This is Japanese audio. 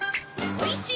おいしい。